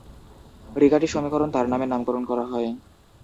রিকাটি সমীকরণ তার নামে নামকরণ করা হয়।